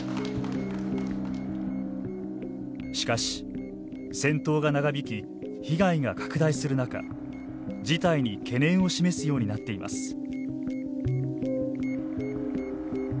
しかし、戦闘が長引き被害が拡大する中事態に懸念を示すようになっています。